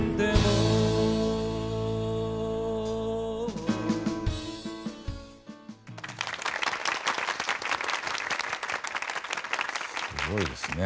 すごいですね。